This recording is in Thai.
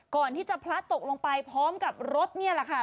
ก่อนที่จะพลัดตกลงไปพร้อมกับรถเนี่ยแหละค่ะ